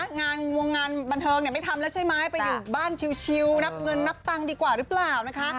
งานงวงงานบันเทิงเนี่ยไม่ทำแล้วใช่ไหมไปอยู่บ้านชิลนับเงินนับตังค์ดีกว่าหรือเปล่านะคะ